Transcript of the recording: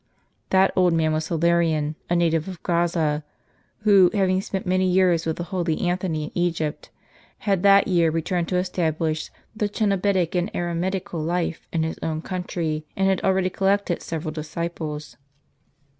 " That old man was Hilarion, a native of Gaza, who, having spent many years with the holy Anthony in Egypt, had that year* returned to establish the cenobitic and eremitical life in his own country, and had already collected several disciples.